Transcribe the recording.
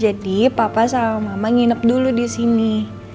jadi papa sama mama nginep dulu di sini